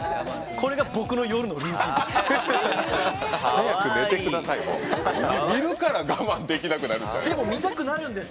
これが僕の夜のルーティンです。